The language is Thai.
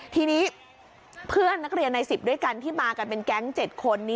ทีนี้เพื่อนนักเรียนใน๑๐ด้วยกันที่มากันเป็นแก๊ง๗คน